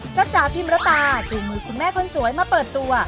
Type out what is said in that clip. จ๋าพิมรตาจูงมือคุณแม่คนสวยมาเปิดตัว